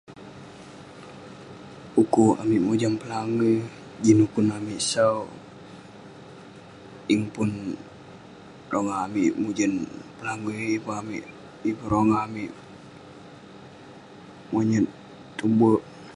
Dukuk amik mojam pelangui jin ukun amik sau. Yeng pun rongah amik mujen pelangui, ye pun amik- ye pun rongah amik monyut tong bek.